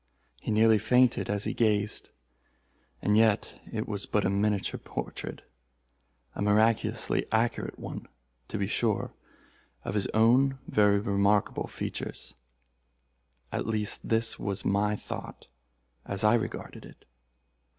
He nearly fainted as he gazed. And yet it was but a miniature portrait—a miraculously accurate one, to be sure—of his own very remarkable features. At least this was my thought as I regarded it.